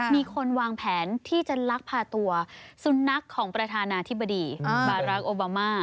มีคนวางแผนที่จะลักพาตัวสุนัขของประธานาธิบดีบารักษ์โอบามา